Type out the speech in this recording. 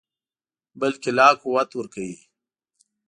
بلکې لا قوت ورکوي.